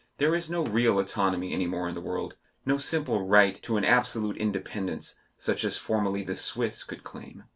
There is no real autonomy any more in the world, no simple right to an absolute independence such as formerly the Swiss could claim.